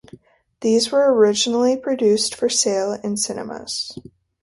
These were originally produced for sale in cinemas.